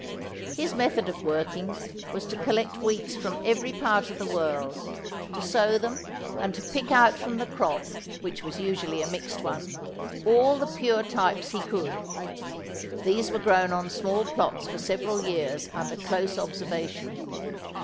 His method of working was to collect wheats from every part of the world, to sow them and to pick out from the crop, which was usually a mixed one, all the pure types he could. These were grown on small plots for several years under close observation.